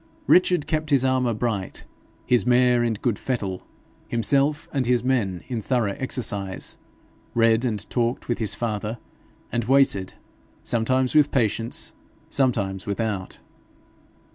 Richard kept his armour bright, his mare in good fettle, himself and his men in thorough exercise, read and talked with his father, and waited, sometimes with patience, sometimes without.